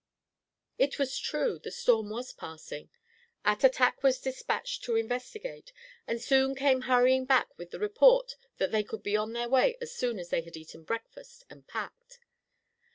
It was true; the storm was passing. Attatak was dispatched to investigate, and soon came hurrying back with the report that they could be on their way as soon as they had eaten breakfast and packed.